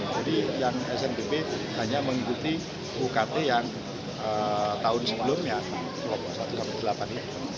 jadi yang snbp hanya mengikuti ukt yang tahun sebelumnya kelompok satu sampai delapan